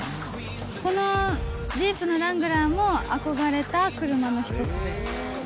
このジープのラングラーも憧れた車の一つです。